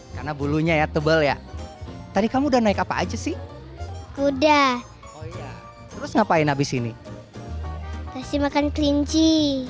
karena bulunya ya tebel ya tadi kamu udah naik apa aja sih udah ngapain habis ini kasih makan klinci